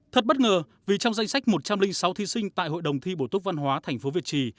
thật bất ngờ vì trong danh sách một trăm linh sáu thi sinh tại hội đồng thi bổ túc văn hóa tp việt trì